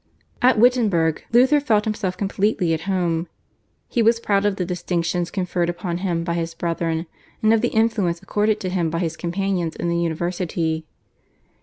At Wittenberg Luther felt himself completely at home. He was proud of the distinctions conferred upon him by his brethren, and of the influence accorded to him by his companions in the university.